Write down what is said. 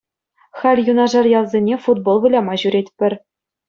Халь юнашар ялсене футбол выляма ҫӳретпӗр.